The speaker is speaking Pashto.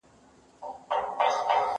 صحرايي ویل موچي درته وهمه